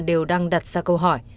đều đang đặt ra câu hỏi